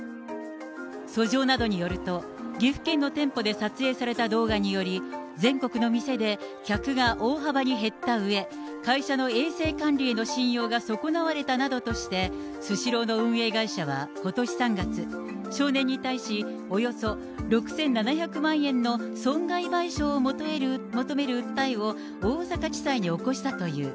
訴状などによると、岐阜県の店舗で撮影された動画により、全国の店で客が大幅に減ったうえ、会社の衛生管理への信用が損なわれたなどとして、スシローの運営会社はことし３月、少年に対しおよそ６７００万円の損害賠償を求める訴えを、大阪地裁に起こしたという。